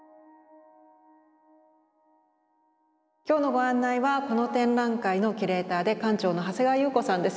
今日のご案内はこの展覧会のキュレーターで館長の長谷川祐子さんです。